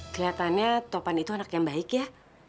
kelihatannya topan itu anak yang baik ya